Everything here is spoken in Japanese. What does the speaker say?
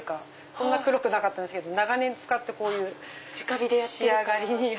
こんな黒くなかったんですけど長年使ってこういう仕上がりに。